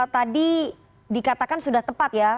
tadi dikatakan sudah tepat ya